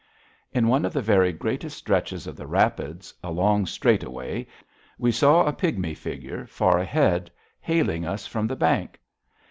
In one of the very greatest stretches of the rapids, a long straightaway, we saw a pigmy figure, far ahead, hailing us from the bank.